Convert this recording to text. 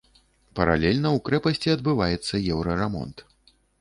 Паралельна ў крэпасці адбываецца еўрарамонт.